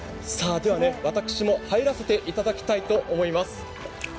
では私も入らせていただきたいと思います。